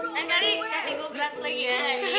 mari kasih gue grans lagi ya